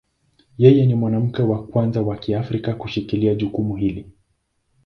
Yeye ni mwanamke wa kwanza wa Kiafrika kushikilia jukumu hili.